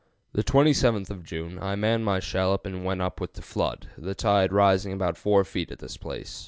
The 27th of June I manned my shallop and went up with the flood, the tide rising about 4 feet at this place.